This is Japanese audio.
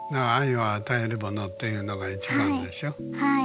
はい。